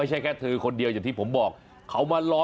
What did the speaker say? ไม่ใช่แค่เธอคนเดียวอย่างที่ผมบอกไม่ใช่เพราะเธอคนเดียวอย่างที่ผมบอก